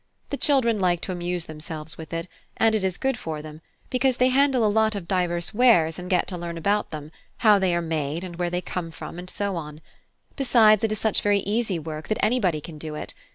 The children like to amuse themselves with it, and it is good for them, because they handle a lot of diverse wares and get to learn about them, how they are made, and where they come from, and so on. Besides, it is such very easy work that anybody can do it.